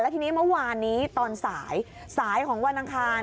ทีนี้เมื่อวานนี้ตอนสายสายของวันอังคาร